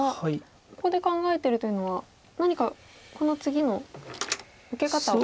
ここで考えてるというのは何かこの次の受け方を。